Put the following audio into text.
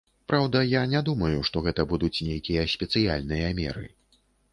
Праўда, я не думаю, што гэта будуць нейкія спецыяльныя меры.